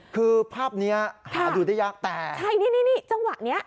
คือภาพเนี้ยหาดูได้ยากแต่ใช่นี่นี่จังหวะนี้